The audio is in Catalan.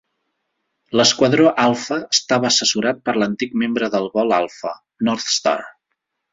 L'esquadró Alpha estava assessorat per l'antic membre del vol Alpha, Northstar.